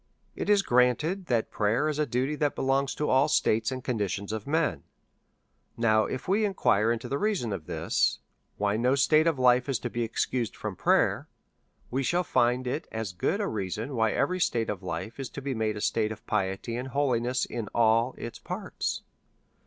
It is granted that prayer is a duty that belongs to all states and conditions of men ; now, if we inquire into the reason why no state of life is to be excused from prayer, we shall find it as good a reason why every state of life is to be made a state of piety and holiness in all its parts.